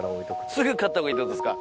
すぐ刈ったほうがいいってことですか？